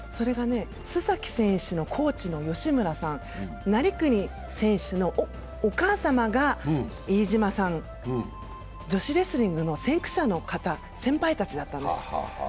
須崎選手のコーチの吉村さん、成國選手のお母様が飯島さん、女子レスリングの先駆者の方先輩たちだったんです。